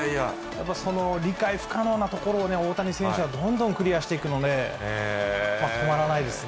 やっぱその理解不可能なところを、大谷選手はどんどんクリアしていくので、止まらないですね。